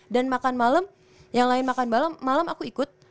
dan makan malem yang lain makan malem malem aku ikut